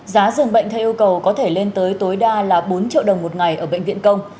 giá dường bệnh theo yêu cầu có thể lên tới tối đa là bốn triệu đồng một ngày ở bệnh viện công